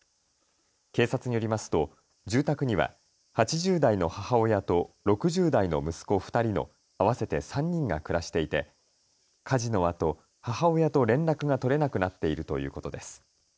警察によりますと住宅には８０代の母親と６０代の息子２人の合わせて３人が暮らしていて火事のあと母親と連絡が取れなくなっているということです。